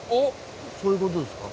そういう事ですか？